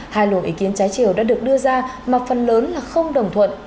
hai lộ ý kiến trái trèo đã được đưa ra mà phần lớn là không đồng thuận